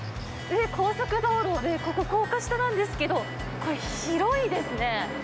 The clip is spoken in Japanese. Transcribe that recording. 上、高速道路で、ここ、高架下なんですけど、これ、広いですね。